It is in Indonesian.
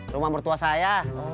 rumah mertua saya